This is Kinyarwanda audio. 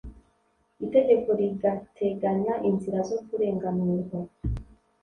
Itegeko rigateganya inzira zo kurenganurwa